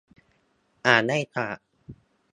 อ่านได้จาก